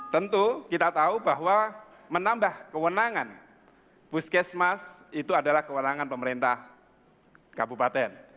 tentu kita tahu bahwa menambah kewenangan puskesmas itu adalah kewenangan pemerintah kabupaten